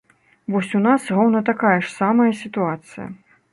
Вось у нас роўна такая ж самая сітуацыя.